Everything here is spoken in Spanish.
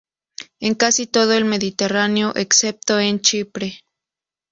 En casi todo el Mediterráneo excepto en Chipre.